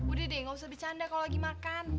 udah deh gak usah bercanda kalau lagi makan